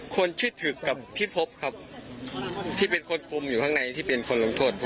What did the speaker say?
คนชื่อถือกับพี่พบครับที่เป็นคนคุมอยู่ข้างในที่เป็นคนลงโทษ